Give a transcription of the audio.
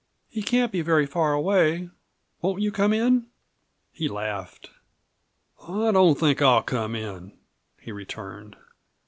"He can't be very far away. Won't you come in?" He laughed. "I don't think I'll come in," he returned.